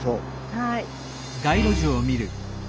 はい。